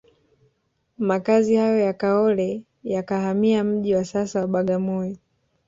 Makazi hayo ya Kaole yakahamia mji wa sasa wa Bagamoyo